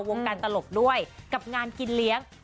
วงการตลกด้วยกับงานกินเลี้ยง